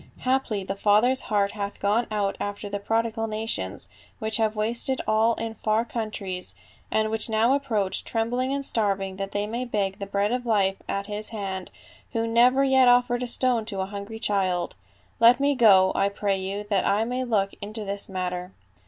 Haply the Father's heart hath gone out after the prodigal nations which have wasted all in far countries, and which now approach trembling and starving that they may beg ^iV EPISTLE. 227 the bread of life at his hand, who never yet offered a stone to a hungry child. Let me go, I pray you, that I may look into this matter."